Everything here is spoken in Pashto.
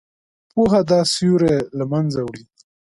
پوهه دا سیوری له منځه وړي.